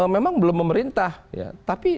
memang belum memerintah tapi